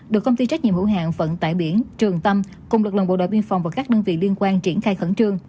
được công ty trách nhiệm hữu hạng vận tải biển trường tâm cùng lực lượng bộ đội biên phòng và các đơn vị liên quan triển khai khẩn trương